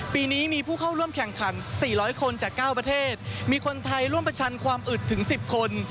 ปีนี้มีผู้เข้าร่วมแข่งขัน๔๐๐คนจาก๙ประเทศมีคนไทยร่วมประชันความอึดถึง๑๐คน